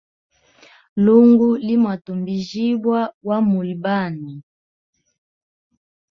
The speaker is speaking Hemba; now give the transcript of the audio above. Lungu li mwatumbijibwa wa muli banwe.